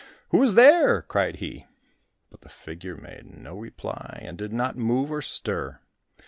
"Who is there?" cried he, but the figure made no reply, and did not move or stir.